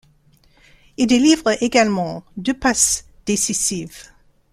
Il délivre également deux passes décisives.